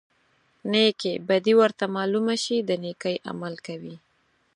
نیکې بدي ورته معلومه شي د نیکۍ عمل کوي.